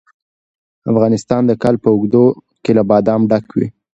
افغانستان د کال په اوږدو کې له بادام ډک وي.